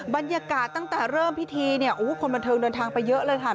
บรรยากาศตั้งแต่เริ่มพิธีเนี่ยโอ้โหคนบันเทิงเดินทางไปเยอะเลยค่ะ